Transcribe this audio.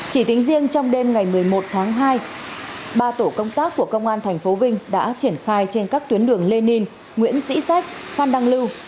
chỉ tính riêng trong đêm ngày một mươi một tháng hai ba tổ công tác của công an tp vinh đã triển khai trên các tuyến đường lê ninh nguyễn sĩ sách phan đăng lưu